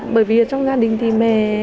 bởi vì trong gia đình thì mẹ